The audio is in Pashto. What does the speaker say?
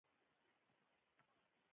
ځغاسته د ذهني روڼتیا زیږنده ده